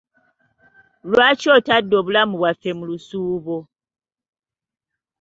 Lwaki otadde obulamu bwaffe mu lusuubo.